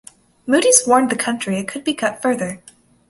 Moody's warned the country it could be cut further.